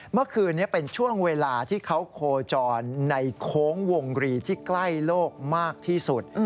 เมื่อคืนนี้เป็นช่วงเวลาที่เขาโคจรในโค้งวงรีที่ใกล้โลกมากที่สุด